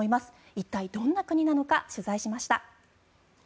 一体、どんな国なのか取材しました。